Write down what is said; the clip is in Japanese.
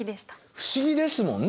不思議ですもんね。